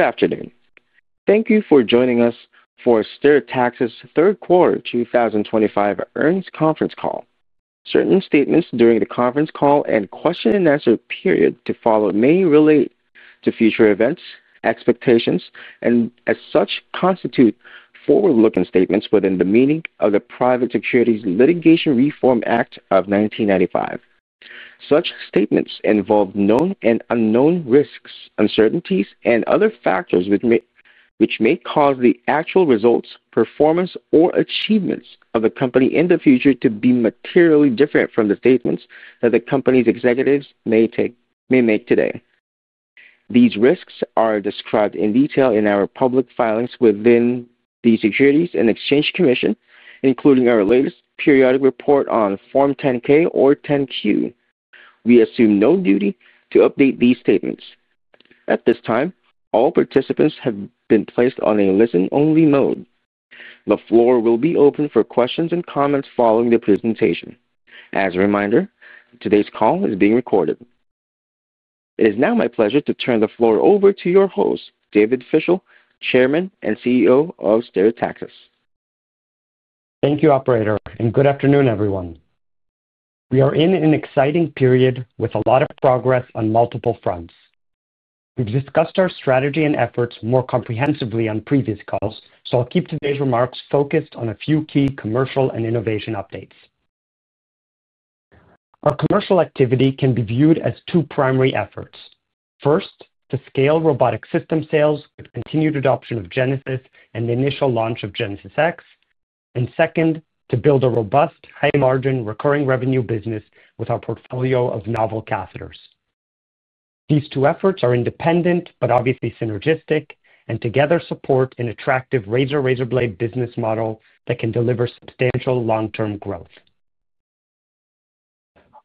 Good afternoon. Thank you for joining us for Stereotaxis' third quarter 2025 earnings conference call. Certain statements during the conference call and question-and-answer period to follow may relate to future events, expectations, and as such constitute forward-looking statements within the meaning of the Private Securities Litigation Reform Act of 1995. Such statements involve known and unknown risks, uncertainties, and other factors which may cause the actual results, performance, or achievements of the company in the future to be materially different from the statements that the company's executives may make today. These risks are described in detail in our public filings with the Securities and Exchange Commission, including our latest periodic report on Form 10-K or Form 10-Q. We assume no duty to update these statements. At this time, all participants have been placed on a listen-only mode. The floor will be open for questions and comments following the presentation. As a reminder, today's call is being recorded. It is now my pleasure to turn the floor over to your host, David Fischel, Chairman and CEO of Stereotaxis. Thank you, Operator, and good afternoon, everyone. We are in an exciting period with a lot of progress on multiple fronts. We've discussed our strategy and efforts more comprehensively on previous calls, so I'll keep today's remarks focused on a few key commercial and innovation updates. Our commercial activity can be viewed as two primary efforts. First, to scale robotic system sales with continued adoption of Genesis and the initial launch of GenesisX, and second, to build a robust, high-margin, recurring revenue business with our portfolio of novel catheters. These two efforts are independent but obviously synergistic, and together support an attractive razor-razor blade business model that can deliver substantial long-term growth.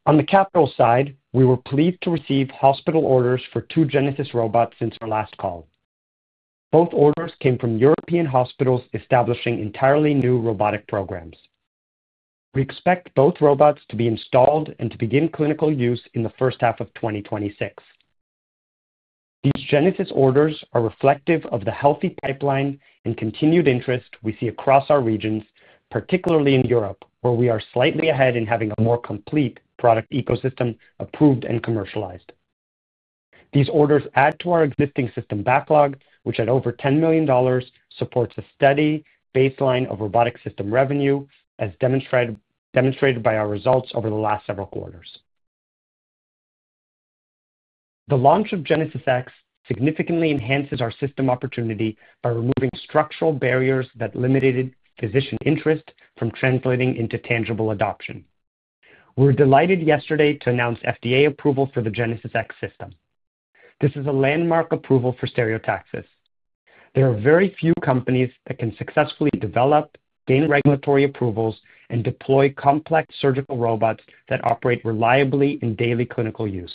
On the capital side, we were pleased to receive hospital orders for two Genesis robots since our last call. Both orders came from European hospitals establishing entirely new robotic programs. We expect both robots to be installed and to begin clinical use in the first half of 2026. These Genesis orders are reflective of the healthy pipeline and continued interest we see across our regions, particularly in Europe, where we are slightly ahead in having a more complete product ecosystem approved and commercialized. These orders add to our existing system backlog, which at over $10 million supports a steady baseline of robotic system revenue, as demonstrated by our results over the last several quarters. The launch of GenesisX significantly enhances our system opportunity by removing structural barriers that limited physician interest from translating into tangible adoption. We were delighted yesterday to announce FDA approval for the GenesisX system. This is a landmark approval for Stereotaxis. There are very few companies that can successfully develop, gain regulatory approvals, and deploy complex surgical robots that operate reliably in daily clinical use.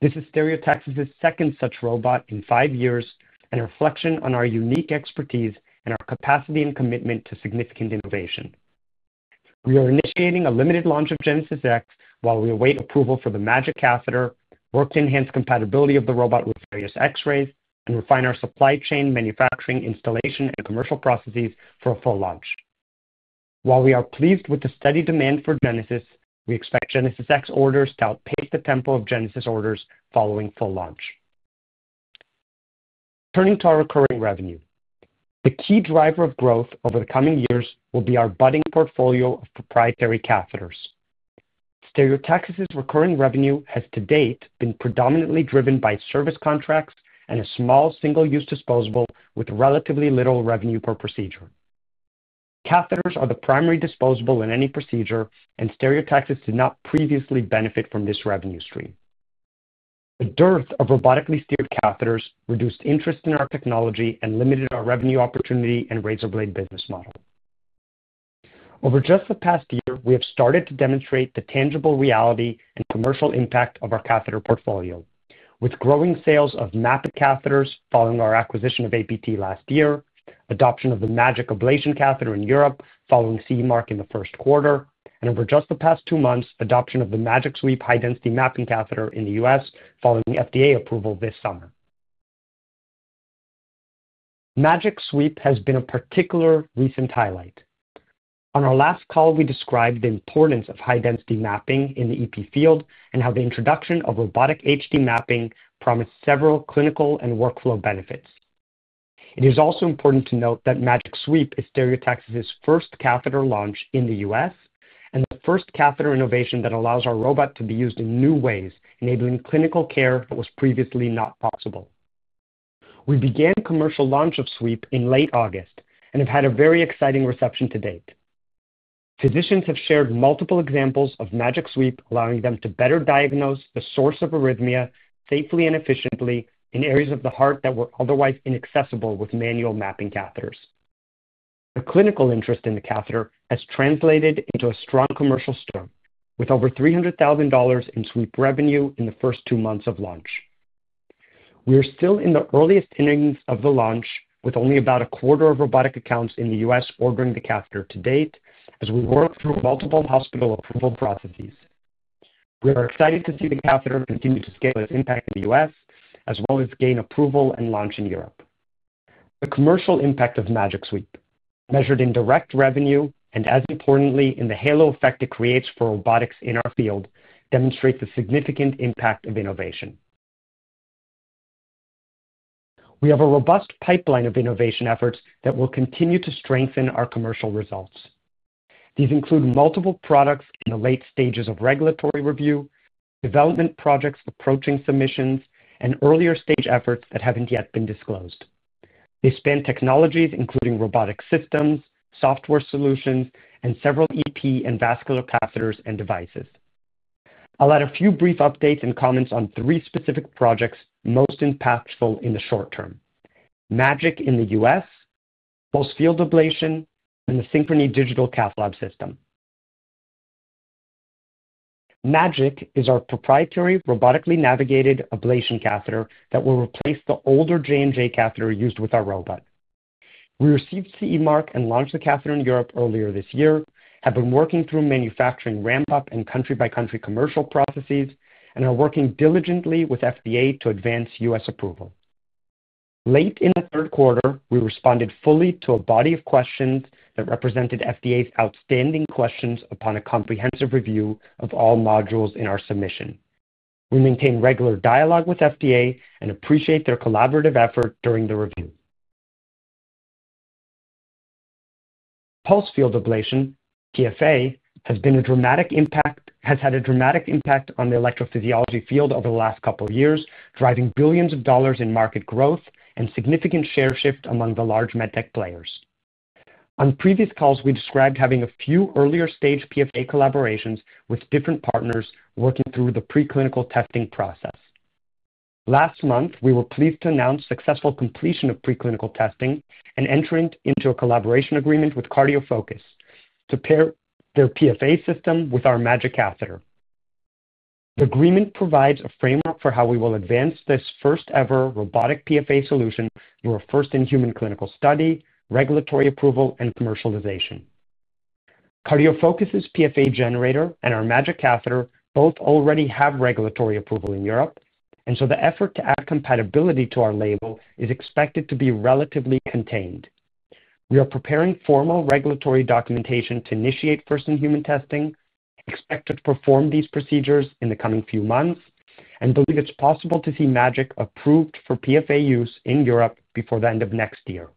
This is Stereotaxis' second such robot in five years and a reflection on our unique expertise and our capacity and commitment to significant innovation. We are initiating a limited launch of GenesisX while we await approval for the MAGiC catheter, work to enhance compatibility of the robot with various X-rays, and refine our supply chain, manufacturing, installation, and commercial processes for a full launch. While we are pleased with the steady demand for Genesis, we expect GenesisX orders to outpace the tempo of Genesis orders following full launch. Turning to our recurring revenue, the key driver of growth over the coming years will be our budding portfolio of proprietary catheters. Stereotaxis' recurring revenue has to date been predominantly driven by service contracts and a small single-use disposable with relatively little revenue per procedure. Catheters are the primary disposable in any procedure, and Stereotaxis did not previously benefit from this revenue stream. The dearth of robotically steered catheters reduced interest in our technology and limited our revenue opportunity and razor-razor blade business model. Over just the past year, we have started to demonstrate the tangible reality and commercial impact of our catheter portfolio, with growing sales of Map-iT catheters following our acquisition of APT last year, adoption of the MAGiC ablation catheter in Europe following CE mark in the first quarter, and over just the past two months, adoption of the MAGiC Sweep high-density mapping catheter in the U.S. following FDA approval this summer. MAGiC Sweep has been a particular recent highlight. On our last call, we described the importance of high-density mapping in the EP field and how the introduction of robotic HD mapping promised several clinical and workflow benefits. It is also important to note that MAGiC Sweep is Stereotaxis' first catheter launch in the U.S. and the first catheter innovation that allows our robot to be used in new ways, enabling clinical care that was previously not possible. We began commercial launch of Sweep in late August and have had a very exciting reception to date. Physicians have shared multiple examples of MAGiC Sweep, allowing them to better diagnose the source of arrhythmia safely and efficiently in areas of the heart that were otherwise inaccessible with manual mapping catheters. The clinical interest in the catheter has translated into a strong commercial stir, with over $300,000 in Sweep revenue in the first two months of launch. We are still in the earliest innings of the launch, with only about a quarter of robotic accounts in the U.S. ordering the catheter to date as we work through multiple hospital approval processes. We are excited to see the catheter continue to scale its impact in the U.S., as well as gain approval and launch in Europe. The commercial impact of MAGiC Sweep, measured in direct revenue and, as importantly, in the halo effect it creates for robotics in our field, demonstrates the significant impact of innovation. We have a robust pipeline of innovation efforts that will continue to strengthen our commercial results. These include multiple products in the late stages of regulatory review, development projects approaching submissions, and earlier stage efforts that haven't yet been disclosed. They span technologies including robotic systems, software solutions, and several EP and vascular catheters and devices. I'll add a few brief updates and comments on three specific projects most impactful in the short term: MAGiC in the U.S., Pulsed Field Ablation, and the Synchrony digital cath lab system. MAGiC is our proprietary robotically navigated ablation catheter that will replace the older J&J catheter used with our robot. We received CE mark and launched the catheter in Europe earlier this year, have been working through manufacturing ramp-up and country-by-country commercial processes, and are working diligently with FDA to advance U.S. approval. Late in the third quarter, we responded fully to a body of questions that represented FDA's outstanding questions upon a comprehensive review of all modules in our submission. We maintain regular dialogue with FDA and appreciate their collaborative effort during the review. Pulsed Field Ablation, PFA, has had a dramatic impact on the electrophysiology field over the last couple of years, driving billions of dollars in market growth and significant share shift among the large medtech players. On previous calls, we described having a few earlier stage PFA collaborations with different partners working through the preclinical testing process. Last month, we were pleased to announce successful completion of preclinical testing and entering into a collaboration agreement with CardioFocus to pair their PFA system with our MAGiC catheter. The agreement provides a framework for how we will advance this first-ever robotic PFA solution through a first-in-human clinical study, regulatory approval, and commercialization. CardioFocus' PFA generator and our MAGiC catheter both already have regulatory approval in Europe, and so the effort to add compatibility to our label is expected to be relatively contained. We are preparing formal regulatory documentation to initiate first-in-human testing, expect to perform these procedures in the coming few months, and believe it's possible to see MAGiC approved for PFA use in Europe before the end of next year.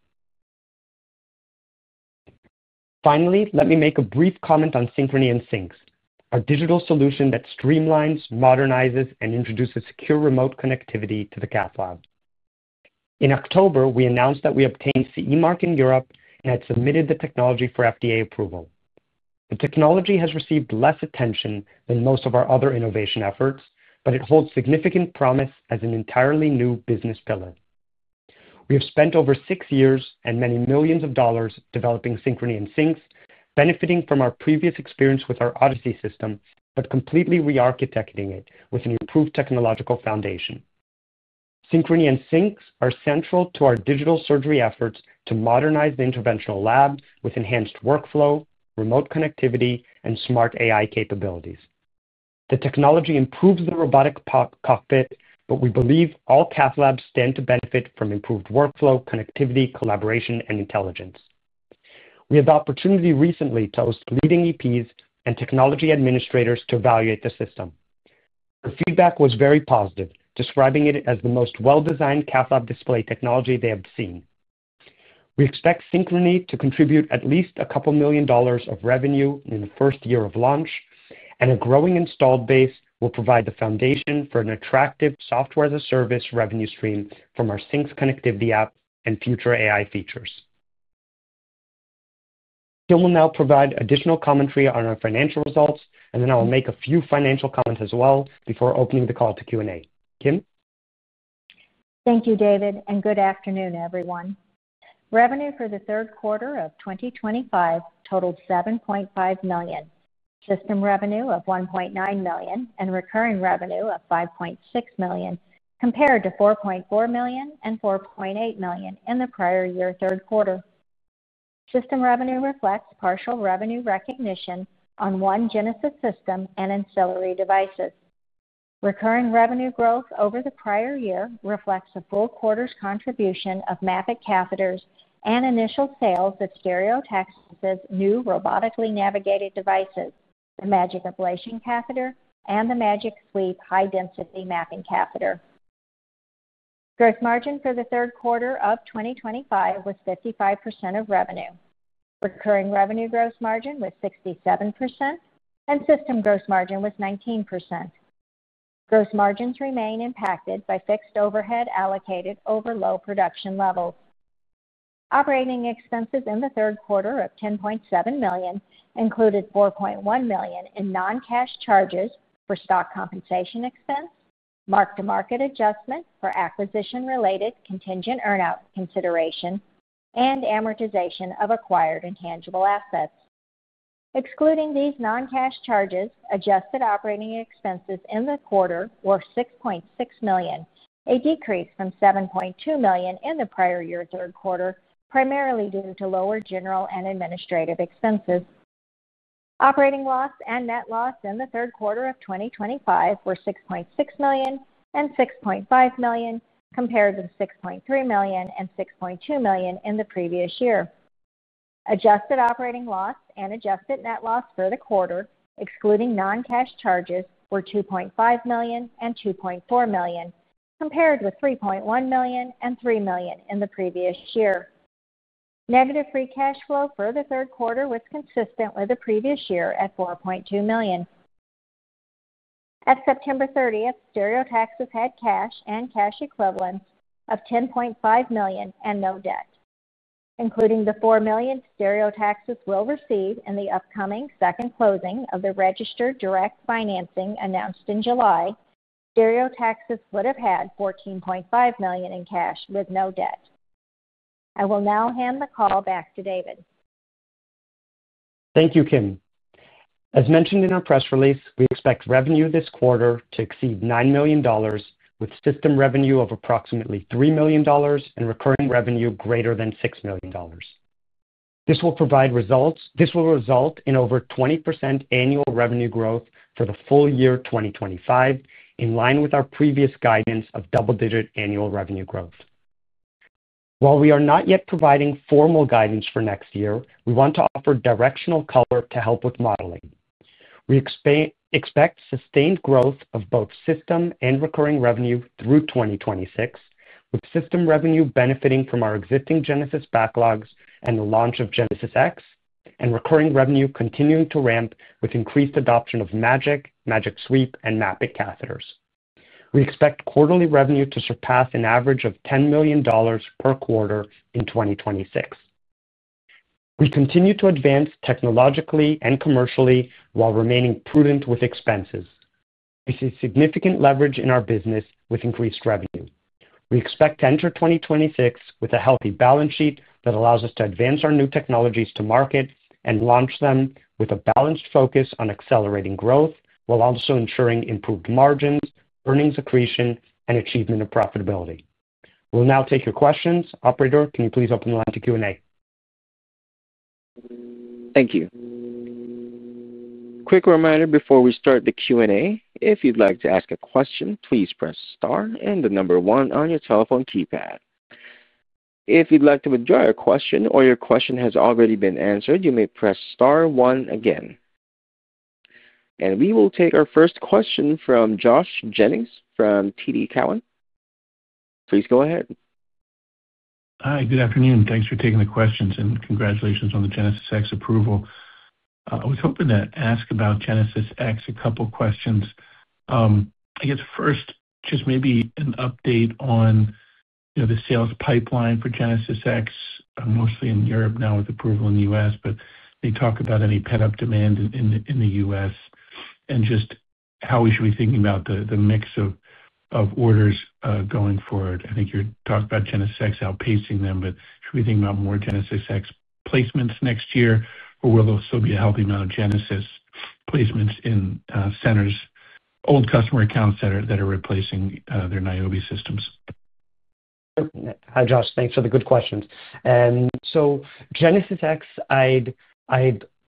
Finally, let me make a brief comment on Synchrony and SynX, our digital solution that streamlines, modernizes, and introduces secure remote connectivity to the cath lab. In October, we announced that we obtained CE mark in Europe and had submitted the technology for FDA approval. The technology has received less attention than most of our other innovation efforts, but it holds significant promise as an entirely new business pillar. We have spent over six years and many millions of dollars developing Synchrony and SynX, benefiting from our previous experience with our Odyssey system, but completely re-architecting it with an improved technological foundation. Synchrony and SynX are central to our digital surgery efforts to modernize the interventional lab with enhanced workflow, remote connectivity, and smart AI capabilities. The technology improves the robotic cockpit, but we believe all cath labs stand to benefit from improved workflow, connectivity, collaboration, and intelligence. We had the opportunity recently to host leading EPs and technology administrators to evaluate the system. The feedback was very positive, describing it as the most well-designed cath lab display technology they have seen. We expect Synchrony to contribute at least a couple million dollars of revenue in the first year of launch, and a growing installed base will provide the foundation for an attractive software-as-a-service revenue stream from our SynX connectivity app and future AI features. Kim will now provide additional commentary on our financial results, and then I will make a few financial comments as well before opening the call to Q&A. Kim? Thank you, David, and good afternoon, everyone. Revenue for the third quarter of 2025 totaled $7.5 million, system revenue of $1.9 million, and recurring revenue of $5.6 million compared to $4.4 million and $4.8 million in the prior year third quarter. System revenue reflects partial revenue recognition on one Genesis system and ancillary devices. Recurring revenue growth over the prior year reflects a full quarter's contribution of Map-iT catheters and initial sales of Stereotaxis' new robotically navigated devices, the MAGiC ablation catheter and the MAGiC Sweep high-density mapping catheter. Gross margin for the third quarter of 2025 was 55% of revenue. Recurring revenue gross margin was 67%, and system gross margin was 19%. Gross margins remain impacted by fixed overhead allocated over low production levels. Operating expenses in the third quarter of $10.7 million included $4.1 million in non-cash charges for stock compensation expense, mark-to-market adjustment for acquisition-related contingent earnout consideration, and amortization of acquired intangible assets. Excluding these non-cash charges, adjusted operating expenses in the quarter were $6.6 million, a decrease from $7.2 million in the prior year third quarter, primarily due to lower general and administrative expenses. Operating loss and net loss in the third quarter of 2025 were $6.6 million and $6.5 million, compared to $6.3 million and $6.2 million in the previous year. Adjusted operating loss and adjusted net loss for the quarter, excluding non-cash charges, were $2.5 million and $2.4 million, compared with $3.1 million and $3 million in the previous year. Negative free cash flow for the third quarter was consistent with the previous year at $4.2 million. At September 30th, Stereotaxis had cash and cash equivalents of $10.5 million and no debt. Including the $4 million Stereotaxis will receive in the upcoming second closing of the registered direct financing announced in July, Stereotaxis would have had $14.5 million in cash with no debt. I will now hand the call back to David. Thank you, Kim. As mentioned in our press release, we expect revenue this quarter to exceed $9 million, with system revenue of approximately $3 million and recurring revenue greater than $6 million. This will result in over 20% annual revenue growth for the full year 2025, in line with our previous guidance of double-digit annual revenue growth. While we are not yet providing formal guidance for next year, we want to offer directional color to help with modeling. We expect sustained growth of both system and recurring revenue through 2026, with system revenue benefiting from our existing Genesis backlogs and the launch of GenesisX, and recurring revenue continuing to ramp with increased adoption of MAGiC, MAGiC Sweep, and Map-iT catheters. We expect quarterly revenue to surpass an average of $10 million per quarter in 2026. We continue to advance technologically and commercially while remaining prudent with expenses. We see significant leverage in our business with increased revenue. We expect to enter 2026 with a healthy balance sheet that allows us to advance our new technologies to market and launch them with a balanced focus on accelerating growth while also ensuring improved margins, earnings accretion, and achievement of profitability. We'll now take your questions. Operator, can you please open the line to Q&A? Thank you. Quick reminder before we start the Q&A. If you'd like to ask a question, please press star and the number one on your telephone keypad. If you'd like to withdraw your question or your question has already been answered, you may press star one again. We will take our first question from Josh Jennings from TD Cowen. Please go ahead. Hi, good afternoon. Thanks for taking the questions and congratulations on the GenesisX approval. I was hoping to ask about GenesisX, a couple of questions. I guess first, just maybe an update on the sales pipeline for GenesisX, mostly in Europe now with approval in the U.S., but they talk about any pent-up demand in the U.S. and just how we should be thinking about the mix of orders going forward. I think you talked about GenesisX outpacing them, but should we think about more GenesisX placements next year, or will there still be a healthy amount of Genesis placements in centers, old customer accounts that are replacing their Niobe systems? Hi, Josh. Thanks for the good questions. GenesisX, I'd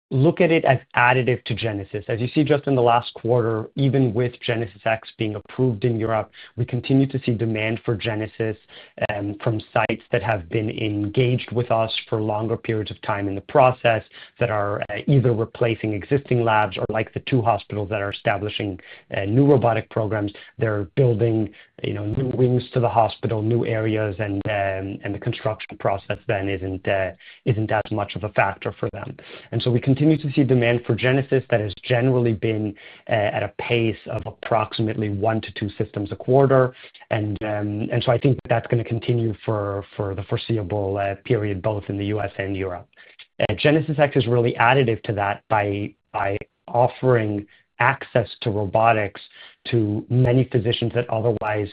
look at it as additive to Genesis. As you see just in the last quarter, even with GenesisX being approved in Europe, we continue to see demand for Genesis from sites that have been engaged with us for longer periods of time in the process, that are either replacing existing labs or like the two hospitals that are establishing new robotic programs, they're building new wings to the hospital, new areas, and the construction process then isn't as much of a factor for them. We continue to see demand for Genesis that has generally been at a pace of approximately one to two systems a quarter. I think that that's going to continue for the foreseeable period, both in the U.S. and Europe. GenesisX is really additive to that by offering access to robotics to many physicians that otherwise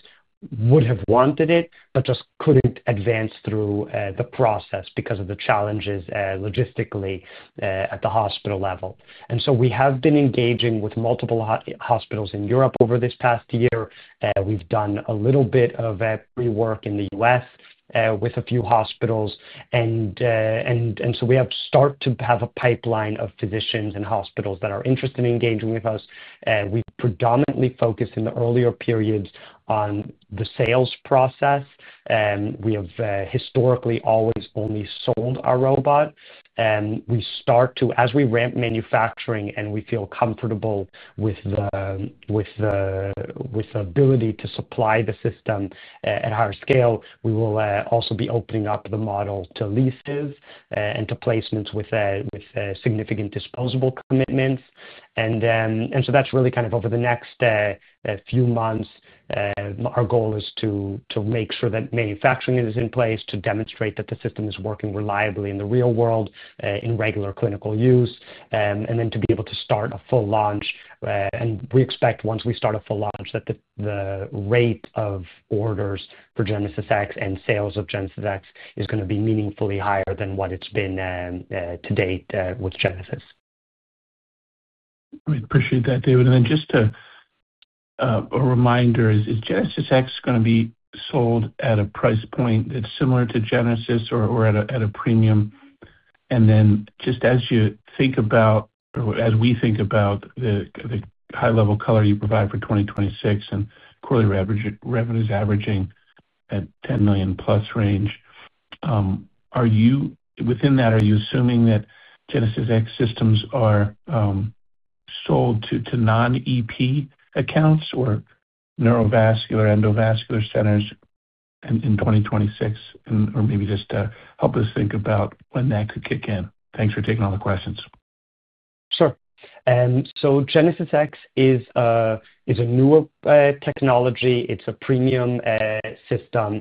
would have wanted it but just could not advance through the process because of the challenges logistically at the hospital level. We have been engaging with multiple hospitals in Europe over this past year. We have done a little bit of pre-work in the U.S. with a few hospitals. We have started to have a pipeline of physicians and hospitals that are interested in engaging with us. We predominantly focus in the earlier periods on the sales process. We have historically always only sold our robot. As we ramp manufacturing and we feel comfortable with the ability to supply the system at higher scale, we will also be opening up the model to leases and to placements with significant disposable commitments. That is really kind of over the next few months, our goal is to make sure that manufacturing is in place, to demonstrate that the system is working reliably in the real world in regular clinical use, and then to be able to start a full launch. We expect once we start a full launch that the rate of orders for GenesisX and sales of GenesisX is going to be meaningfully higher than what it has been to date with Genesis. I appreciate that, David. Just a reminder, is GenesisX going to be sold at a price point that's similar to Genesis or at a premium? Just as you think about, or as we think about the high-level color you provide for 2026 and quarterly revenues averaging at $10 million+ range, within that, are you assuming that GenesisX systems are sold to non-EP accounts or neurovascular, endovascular centers in 2026? Maybe just help us think about when that could kick in. Thanks for taking all the questions. Sure. GenesisX is a newer technology. It is a premium system.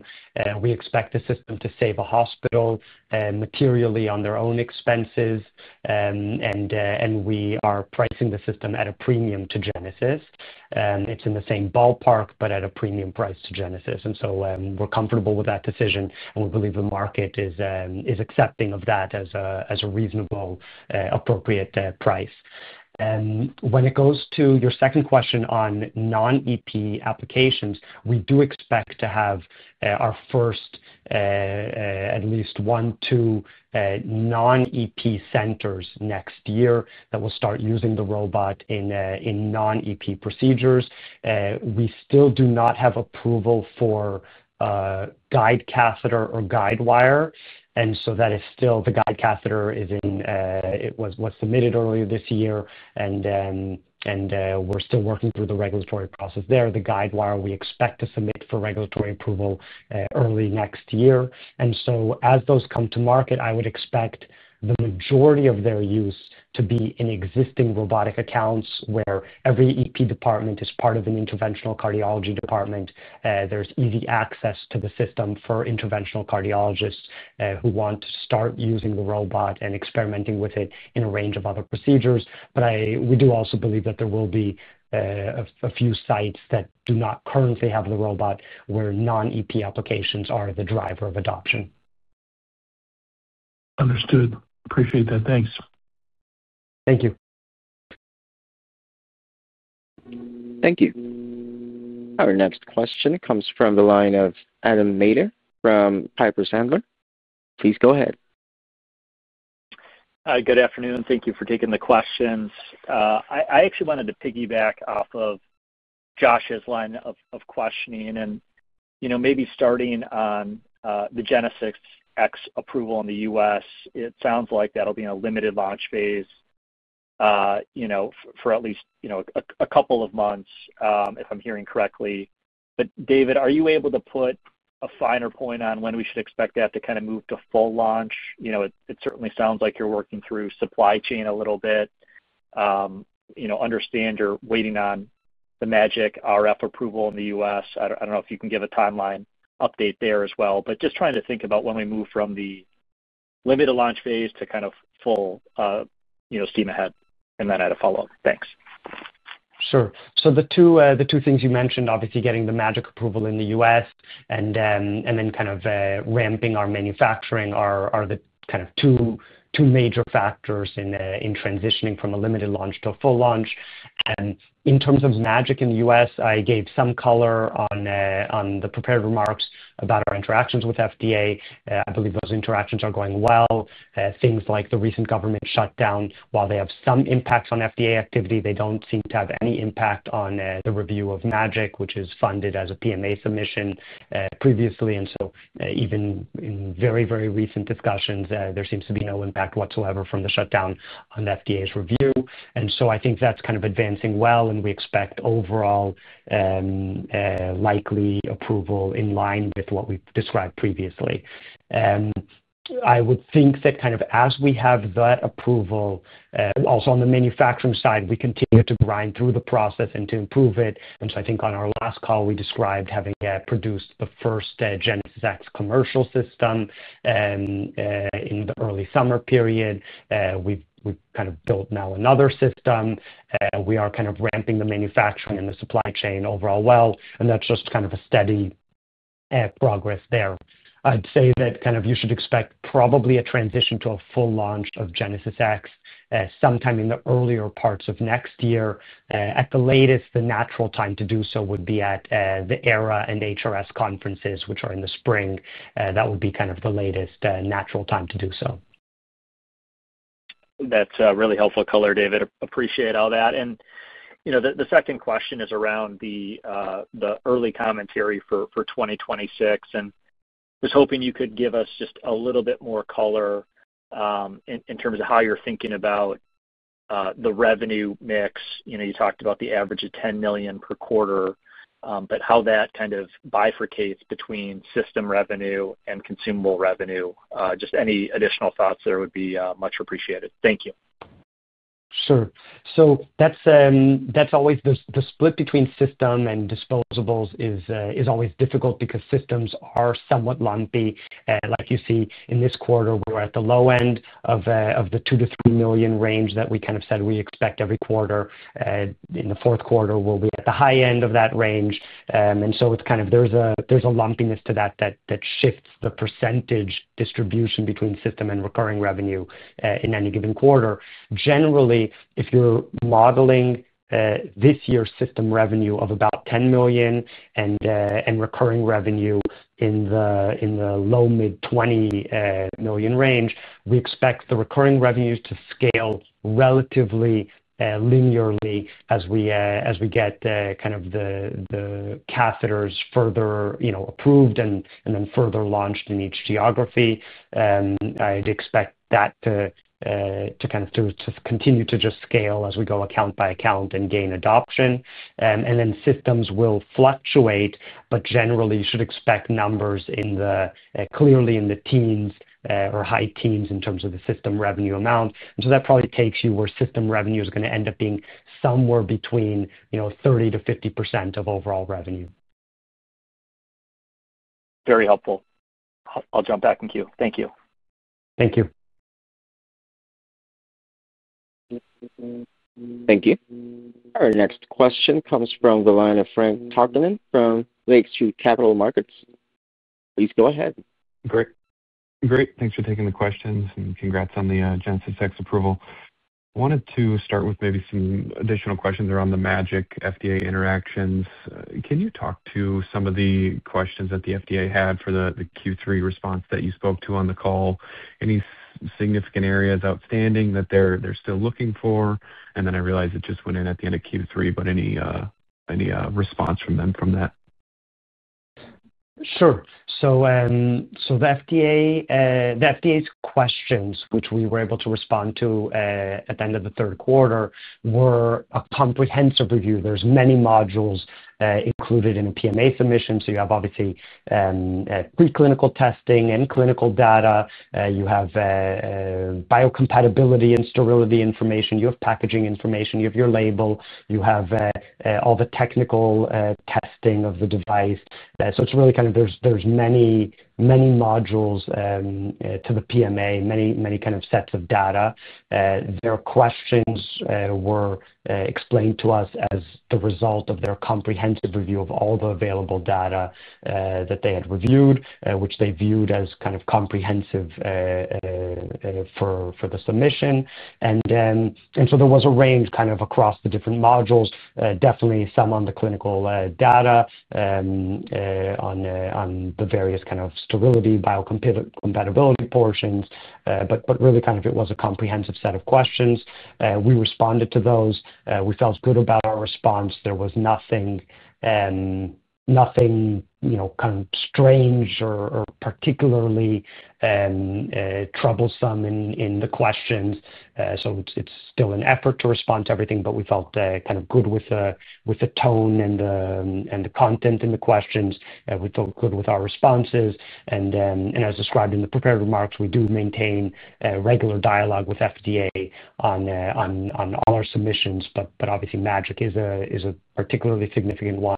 We expect the system to save a hospital materially on their own expenses, and we are pricing the system at a premium to Genesis. It is in the same ballpark, but at a premium price to Genesis. We are comfortable with that decision, and we believe the market is accepting of that as a reasonable, appropriate price. When it goes to your second question on non-EP applications, we do expect to have our first, at least one, two non-EP centers next year that will start using the robot in non-EP procedures. We still do not have approval for guide catheter or guide wire. That is still—the guide catheter was submitted earlier this year, and we are still working through the regulatory process there. The guide wire, we expect to submit for regulatory approval early next year. As those come to market, I would expect the majority of their use to be in existing robotic accounts where every EP department is part of an interventional cardiology department. There is easy access to the system for interventional cardiologists who want to start using the robot and experimenting with it in a range of other procedures. We do also believe that there will be a few sites that do not currently have the robot where non-EP applications are the driver of adoption. Understood. Appreciate that. Thanks. Thank you. Thank you. Our next question comes from the line of Adam Maeder from Piper Sandler. Please go ahead. Hi, good afternoon. Thank you for taking the questions. I actually wanted to piggyback off of Josh's line of questioning and maybe starting on the GenesisX approval in the U.S. It sounds like that'll be in a limited launch phase for at least a couple of months, if I'm hearing correctly. David, are you able to put a finer point on when we should expect that to kind of move to full launch? It certainly sounds like you're working through supply chain a little bit. Understand you're waiting on the MAGiC RF approval in the U.S. I don't know if you can give a timeline update there as well. Just trying to think about when we move from the limited launch phase to kind of full steam ahead and then add a follow-up. Thanks. Sure. The two things you mentioned, obviously getting the MAGiC approval in the U.S. and then kind of ramping our manufacturing, are the two major factors in transitioning from a limited launch to a full launch. In terms of MAGiC in the U.S., I gave some color on the prepared remarks about our interactions with FDA. I believe those interactions are going well. Things like the recent government shutdown, while they have some impact on FDA activity, do not seem to have any impact on the review of MAGiC, which is funded as a PMA submission previously. Even in very, very recent discussions, there seems to be no impact whatsoever from the shutdown on FDA's review. I think that is advancing well, and we expect overall likely approval in line with what we have described previously. I would think that kind of as we have that approval, also on the manufacturing side, we continue to grind through the process and to improve it. I think on our last call, we described having produced the first GenesisX commercial system in the early summer period. We've kind of built now another system. We are kind of ramping the manufacturing and the supply chain overall well, and that's just kind of a steady progress there. I'd say that kind of you should expect probably a transition to a full launch of GenesisX sometime in the earlier parts of next year. At the latest, the natural time to do so would be at the EHRA and HRS conferences, which are in the spring. That would be kind of the latest natural time to do so. That's really helpful color, David. Appreciate all that. The second question is around the early commentary for 2026. I was hoping you could give us just a little bit more color in terms of how you're thinking about the revenue mix. You talked about the average of $10 million per quarter, but how that kind of bifurcates between system revenue and consumable revenue. Just any additional thoughts there would be much appreciated. Thank you. Sure. That split between system and disposables is always difficult because systems are somewhat lumpy. Like you see in this quarter, we're at the low end of the $2 million-$3 million range that we kind of said we expect every quarter. In the fourth quarter, we'll be at the high end of that range. There is a lumpiness to that that shifts the percentage distribution between system and recurring revenue in any given quarter. Generally, if you're modeling this year's system revenue of about $10 million and recurring revenue in the low to mid-$20 million range, we expect the recurring revenues to scale relatively linearly as we get the catheters further approved and then further launched in each geography. I'd expect that to continue to just scale as we go account by account and gain adoption. Systems will fluctuate, but generally, you should expect numbers clearly in the teens or high teens in terms of the system revenue amount. That probably takes you where system revenue is going to end up being somewhere between 30%-50% of overall revenue. Very helpful. I'll jump back in queue. Thank you. Thank you. Thank you. Our next question comes from the line of Frank Takkinen from Lake Street Capital Markets. Please go ahead. Great. Great. Thanks for taking the questions and congrats on the GenesisX approval. I wanted to start with maybe some additional questions around the MAGiC FDA interactions. Can you talk to some of the questions that the FDA had for the Q3 response that you spoke to on the call? Any significant areas outstanding that they're still looking for? I realize it just went in at the end of Q3, but any response from them from that? Sure. The FDA's questions, which we were able to respond to at the end of the third quarter, were a comprehensive review. There are many modules included in a PMA submission. You have obviously preclinical testing and clinical data. You have biocompatibility and sterility information. You have packaging information. You have your label. You have all the technical testing of the device. It is really kind of there are many modules to the PMA, many sets of data. Their questions were explained to us as the result of their comprehensive review of all the available data that they had reviewed, which they viewed as comprehensive for the submission. There was a range across the different modules, definitely some on the clinical data, on the various sterility, biocompatibility portions, but really it was a comprehensive set of questions. We responded to those. We felt good about our response. There was nothing kind of strange or particularly troublesome in the questions. It is still an effort to respond to everything, but we felt kind of good with the tone and the content in the questions. We felt good with our responses. As described in the prepared remarks, we do maintain regular dialogue with FDA on all our submissions, but obviously MAGiC is a particularly significant one.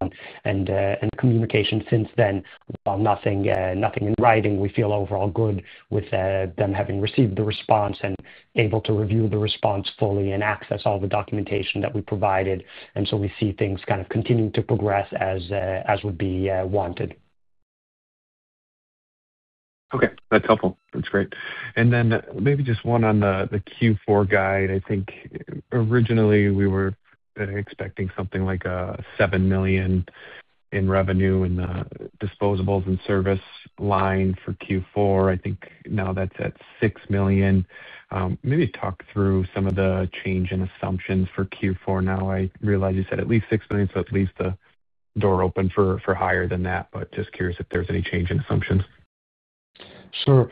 Communication since then, while nothing in writing, we feel overall good with them having received the response and able to review the response fully and access all the documentation that we provided. We see things kind of continuing to progress as would be wanted. Okay. That's helpful. That's great. Maybe just one on the Q4 guide. I think originally we were expecting something like $7 million in revenue in the disposables and service line for Q4. I think now that's at $6 million. Maybe talk through some of the change in assumptions for Q4. Now, I realize you said at least $6 million, so at least the door open for higher than that, but just curious if there's any change in assumptions. Sure.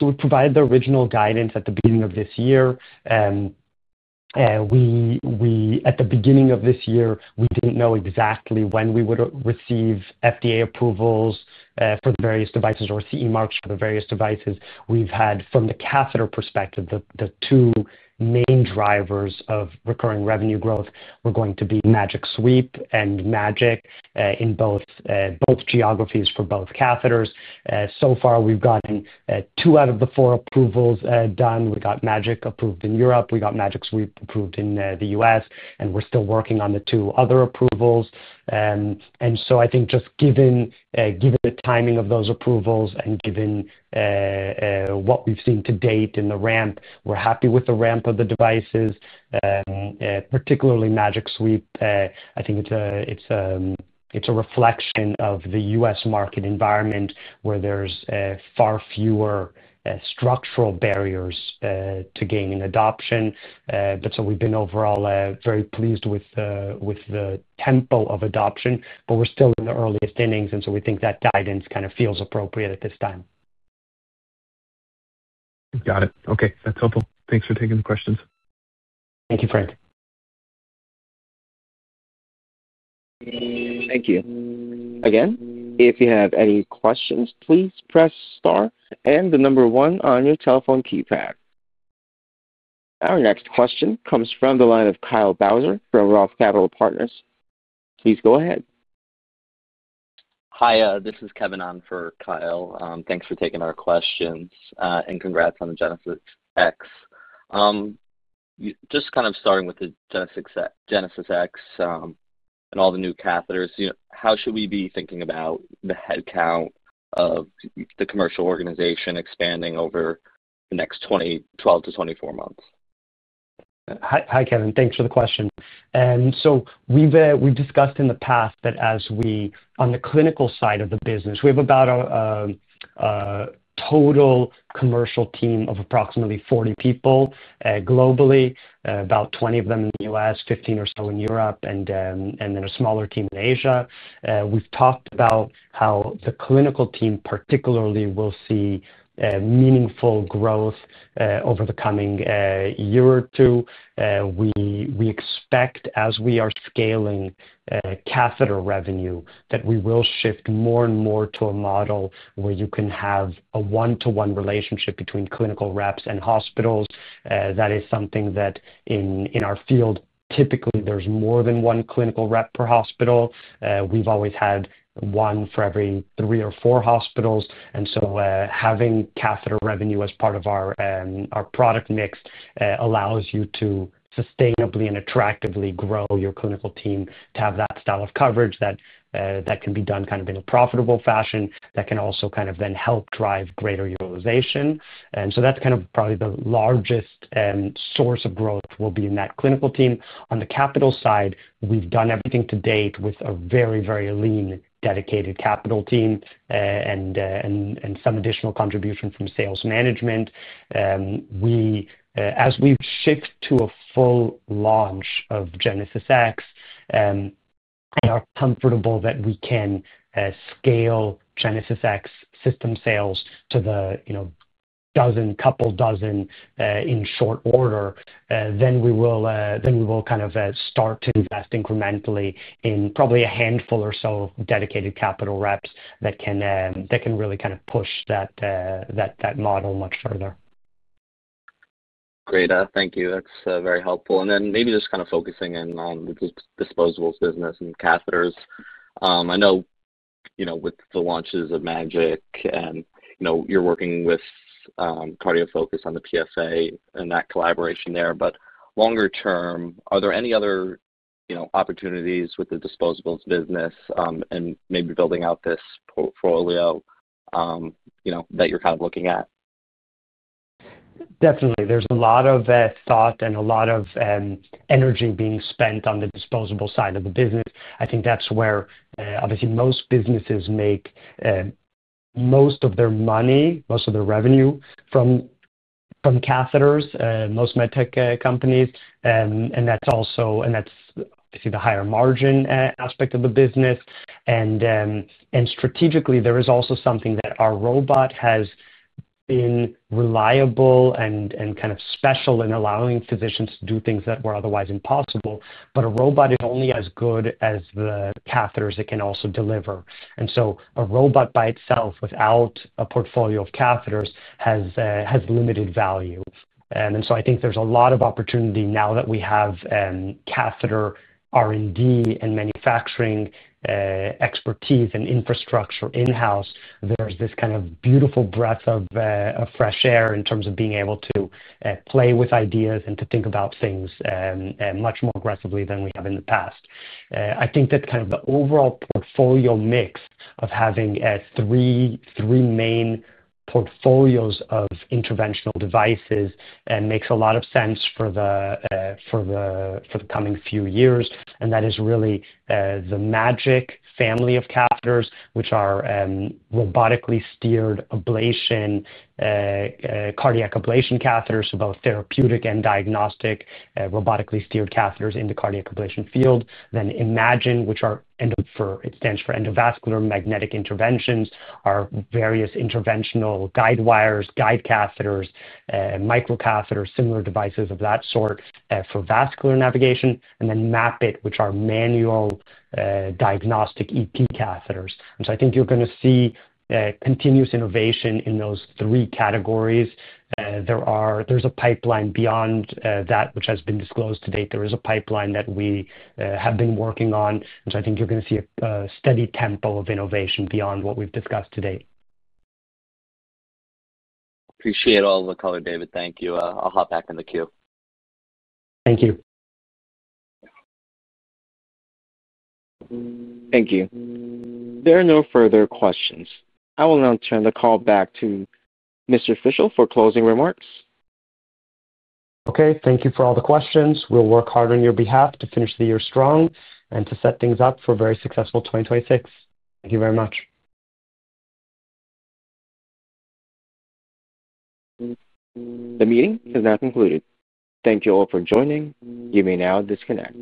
We provide the original guidance at the beginning of this year. At the beginning of this year, we did not know exactly when we would receive FDA approvals for the various devices or CE marks for the various devices. We have had, from the catheter perspective, the two main drivers of recurring revenue growth were going to be MAGiC Sweep and MAGiC in both geographies for both catheters. So far, we have gotten two out of the four approvals done. We got MAGiC approved in Europe. We got MAGiC Sweep approved in the U.S., and we are still working on the two other approvals. I think just given the timing of those approvals and given what we have seen to date in the ramp, we are happy with the ramp of the devices, particularly MAGiC Sweep. I think it's a reflection of the U.S. market environment where there's far fewer structural barriers to gaining adoption. We've been overall very pleased with the tempo of adoption, but we're still in the earliest innings, and we think that guidance kind of feels appropriate at this time. Got it. Okay. That's helpful. Thanks for taking the questions. Thank you, Frank. Thank you. Again, if you have any questions, please press star and the number one on your telephone keypad. Our next question comes from the line of Kyle Bauser from Roth Capital Partners. Please go ahead. Hi, this is Kevin on for Kyle. Thanks for taking our questions and congrats on the GenesisX. Just kind of starting with the GenesisX and all the new catheters, how should we be thinking about the headcount of the commercial organization expanding over the next 12 months-24 months? Hi, Kevin. Thanks for the question. We have discussed in the past that as we on the clinical side of the business, we have about a total commercial team of approximately 40 people globally, about 20 of them in the U.S., 15 or so in Europe, and then a smaller team in Asia. We have talked about how the clinical team particularly will see meaningful growth over the coming year or two. We expect as we are scaling catheter revenue that we will shift more and more to a model where you can have a one-to-one relationship between clinical reps and hospitals. That is something that in our field, typically there is more than one clinical rep per hospital. We have always had one for every three or four hospitals. Having catheter revenue as part of our product mix allows you to sustainably and attractively grow your clinical team to have that style of coverage that can be done kind of in a profitable fashion that can also kind of then help drive greater utilization. That is probably the largest source of growth, will be in that clinical team. On the capital side, we have done everything to date with a very, very lean dedicated capital team and some additional contribution from sales management. As we shift to a full launch of GenesisX, we are comfortable that we can scale GenesisX system sales to the dozen, couple dozen in short order. We will kind of start to invest incrementally in probably a handful or so dedicated capital reps that can really kind of push that model much further. Great. Thank you. That's very helpful. Maybe just kind of focusing in on the disposables business and catheters. I know with the launches of MAGiC, you're working with CardioFocus on the PFA and that collaboration there. Longer term, are there any other opportunities with the disposables business and maybe building out this portfolio that you're kind of looking at? Definitely. There's a lot of thought and a lot of energy being spent on the disposable side of the business. I think that's where obviously most businesses make most of their money, most of their revenue from catheters, most medtech companies. That's also obviously the higher margin aspect of the business. Strategically, there is also something that our robot has been reliable and kind of special in allowing physicians to do things that were otherwise impossible. A robot is only as good as the catheters it can also deliver. A robot by itself without a portfolio of catheters has limited value. I think there's a lot of opportunity now that we have catheter R&D and manufacturing expertise and infrastructure in-house. There's this kind of beautiful breath of fresh air in terms of being able to play with ideas and to think about things much more aggressively than we have in the past. I think that kind of the overall portfolio mix of having three main portfolios of interventional devices makes a lot of sense for the coming few years. That is really the MAGiC family of catheters, which are robotically steered cardiac ablation catheters, both therapeutic and diagnostic robotically steered catheters in the cardiac ablation field. Imagine, which stands for endovascular magnetic interventions, are various interventional guidewires, guide catheters, microcatheters, similar devices of that sort for vascular navigation. Map-iT, which are manual diagnostic EP catheters. I think you're going to see continuous innovation in those three categories. There's a pipeline beyond that, which has been disclosed to date. There is a pipeline that we have been working on. I think you're going to see a steady tempo of innovation beyond what we've discussed today. Appreciate all the color, David. Thank you. I'll hop back in the queue. Thank you. Thank you. There are no further questions. I will now turn the call back to Mr. Fischel for closing remarks. Okay. Thank you for all the questions. We'll work hard on your behalf to finish the year strong and to set things up for a very successful 2026. Thank you very much. The meeting is now concluded. Thank you all for joining. You may now disconnect.